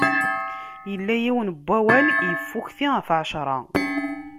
Illa yiwen n wawal, iffukti ɣef ɛecṛa.